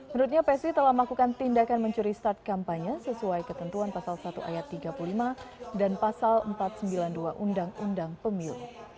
menurutnya psi telah melakukan tindakan mencuri start kampanye sesuai ketentuan pasal satu ayat tiga puluh lima dan pasal empat ratus sembilan puluh dua undang undang pemilu